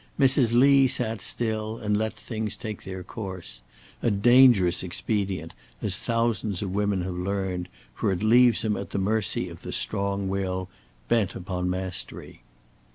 Mrs. Lee sat still and let things take their course; a dangerous expedient, as thousands of women have learned, for it leaves them at the mercy of the strong will, bent upon mastery.